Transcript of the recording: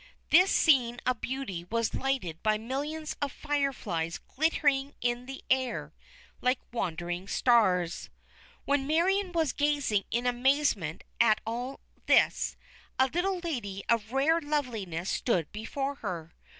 This scene of beauty was lighted by millions of fireflies glittering in the air like wandering stars. While Marion was gazing in amazement at all this, a little lady of rare loveliness stood before her.